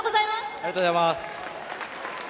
ありがとうございます。